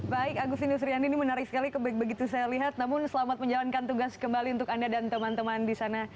baik agus yusriani ini menarik sekali begitu saya lihat namun selamat menjalankan tugas kembali untuk anda dan teman teman di sana